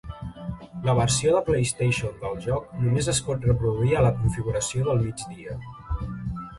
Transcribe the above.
La versió de PlayStation del joc només es pot reproduir a la configuració del migdia.